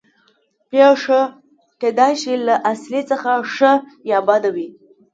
پېښه کېدای شي له اصلي څخه ښه یا بده وي